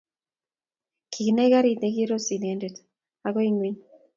Kikinai gariit ne kirus inendet akoi ing'weny.